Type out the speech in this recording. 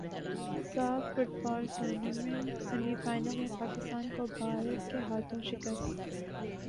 ساف football tournament semi final میں پاکستان کو بھارت کے ہاتھوں شکست